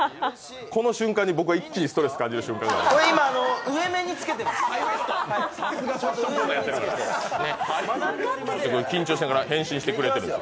この瞬間に一気にストレスを感じたんです。